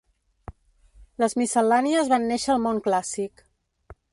Les miscel·lànies van néixer al món clàssic.